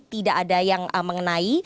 tidak ada yang mengenai